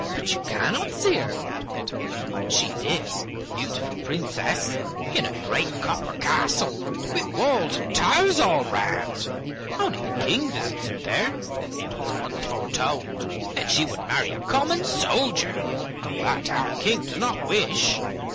"But you cannot see her," they told him. "She lives, the beautiful Princess, in a great copper castle, with walls and towers all round. Only the King visits her there, for it was once foretold that she would marry a common soldier, and that our King does not wish."